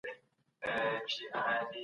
د پسرلي موسم ډېر ښايسته وي.